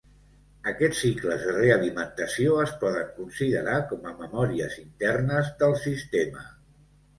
Aquests cicles de realimentació es poden considerar com a memòries internes del sistema.